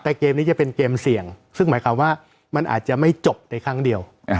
แต่เกมนี้จะเป็นเกมเสี่ยงซึ่งหมายความว่ามันอาจจะไม่จบในครั้งเดียว